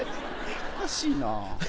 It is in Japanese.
おかしいなぁ。